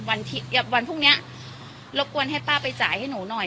วันพรุ่งนี้รบกวนให้ป้าไปจ่ายให้หนูหน่อย